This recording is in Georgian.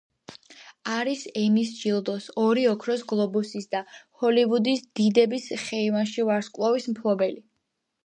არის ემის ჯილდოს, ორი ოქროს გლობუსის და ჰოლივუდის დიდების ხეივანში ვარსკვლავის მფლობელი.